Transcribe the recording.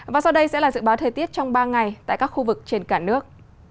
và sau đây sẽ là dự báo thời tiết trong ba ngày tại các khu vực trên cả nước